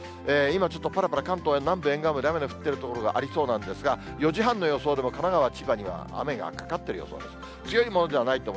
今、ちょっとぱらぱら関東や南部沿岸部で雨の降っている所がありそうなんですが、４時半の予想でも神奈川、千葉には雨雲がかかっている予想です。